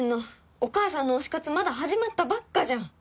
お母さんの推し活まだ始まったばっかじゃん！